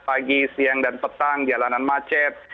pagi siang dan petang jalanan macet